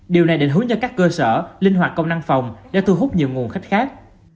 điều này định hướng cho các cơ sở linh hoạt công năng phòng để thu hút nhiều nguồn khách khác